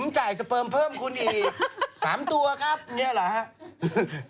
ผมจ่ายสเปิร์มเพิ่มคุณอีก๓ตัวครับอย่างนี้เหรอครับ